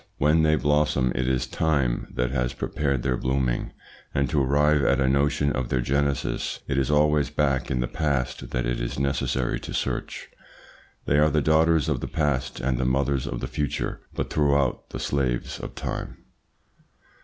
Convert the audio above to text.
When they blossom it is time that has prepared their blooming; and to arrive at a notion of their genesis it is always back in the past that it is necessary to search. They are the daughters of the past and the mothers of the future, but throughout the slaves of time.